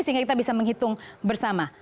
sehingga kita bisa menghitung bersama